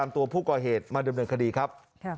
ขอบคุณครับ